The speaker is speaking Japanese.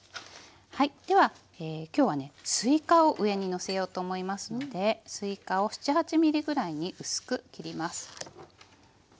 ではきょうはねすいかを上にのせようと思いますのですいかを７８ｍｍぐらいに薄く切ります。